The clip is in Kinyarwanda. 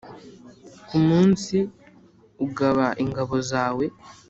Ku munsi ugaba ingabo zawe,